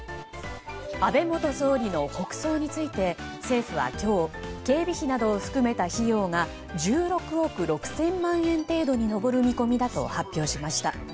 安倍元総理の国葬について政府は今日警備費などを含めた費用が１６億６０００万円程度に上る見込みだと発表しました。